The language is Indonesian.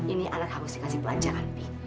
ini anak harus dikasih pelajaran